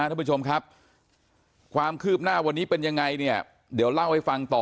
ท่านผู้ชมครับความคืบหน้าวันนี้เป็นยังไงเนี่ยเดี๋ยวเล่าให้ฟังต่อ